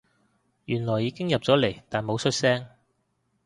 原來已經入咗嚟但冇出聲